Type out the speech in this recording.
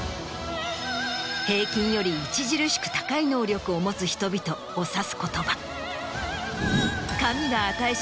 平均より著しく高い能力を持つ人々を指す言葉。